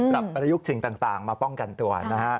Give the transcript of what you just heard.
ปรับประยุกต์สิ่งต่างมาป้องกันตัว